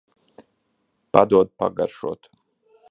Padod pagaršot.